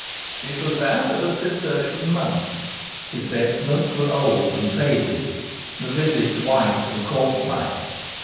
It was that of a Cistertian monk; the vestments were old and faded, the visage white and corpse like.